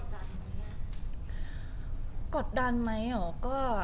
เริ่มคุยกันในช่วงที่มันมีคำมันทำให้เราก็กดดันไหม